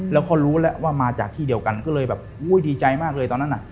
แล้วเขารู้แล้วว่ามาจากที่เดียวกันก็เลยแบบอุ้ยดีใจมากเลยตอนนั้นน่ะ